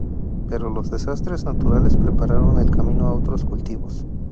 Pero los desastres naturales prepararon el camino a otros cultivos.